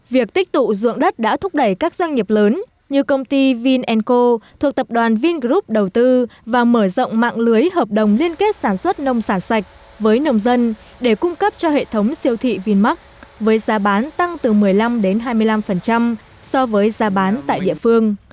việc tích tụ dụng đất đã thúc đẩy các doanh nghiệp lớn như công ty vinenco thuộc tập đoàn vingroup đầu tư và mở rộng mạng lưới hợp đồng liên kết sản xuất nông sản sạch với nông dân để cung cấp cho hệ thống siêu thị vinmark với giá bán tăng từ một mươi năm đến hai mươi năm so với giá bán tại địa phương